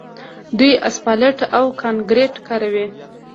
دوی اسفالټ او کانکریټ کاروي.